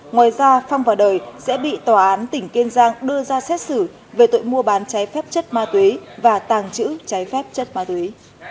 ngoài ra phong vào đời sẽ bị tòa án tỉnh kênh giang đưa ra xét xử về tội mua bán chai phép chất ma túy và tàng trữ chai phép chất ma túy